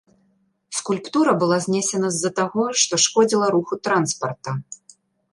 Скульптура была знесена з-за таго, што шкодзіла руху транспарта.